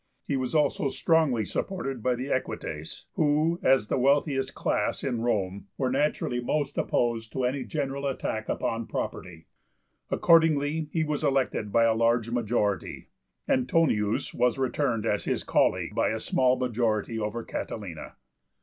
He was also strongly supported by the Equites, who, as the wealthiest class in Rome, were naturally most opposed to any general attack upon property. Accordingly, he was elected by a large majority. Antonius was returned as his colleague by a small majority over Catilina.